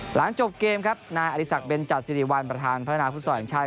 หลังจบเกมครับนายอริสักเบนจัดสิริวัลประธานพัฒนาฟุตซอลแห่งชาติ